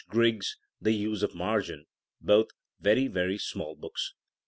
Griggs, The Use of the Margin (both very, very small books).